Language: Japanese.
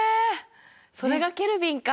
それがケルビンか。